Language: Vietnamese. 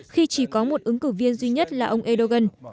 khi chỉ có một ứng cử viên duy nhất là ông erdogan